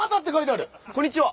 こんにちは。